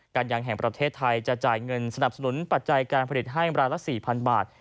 การยางแห่งประเทศไทยจะจ่ายเงินสนับสนุนปัจจัยการผลิตให้รายละ๔๐๐๐บาท